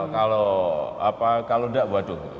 kalau enggak waduh